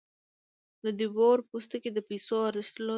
د بیور پوستکی د پیسو ارزښت درلود.